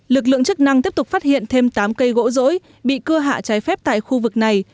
lực lượng chức năng tiếp tục phát hiện thêm tám cây gỗ rỗi bị cưa hạ trái phép tại khu vực này